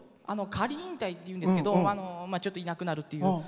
仮引退っていうんですけどちょっといなくなるっていう。